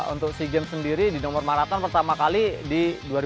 untuk si james sendiri di nomor maraton pertama kali di dua ribu tujuh belas